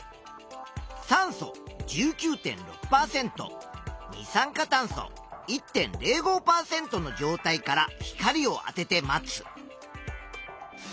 酸素１９．６％二酸化炭素１．０５％の状態から光をあてて待つ。